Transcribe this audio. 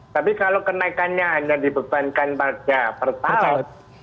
tapi kalau kenaikannya hanya dibebankan pada pertalite